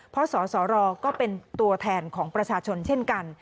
เพราะสสรก็เป็นตัวแทนของประชาชนเช่นกัน